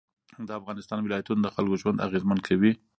د افغانستان ولایتونه د خلکو ژوند اغېزمن کوي.